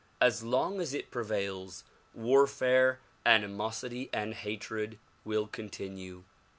As long as it prevails, warfare, animosity and hatred will continue.